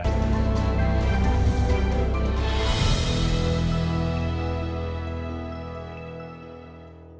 ini adalah agenda saya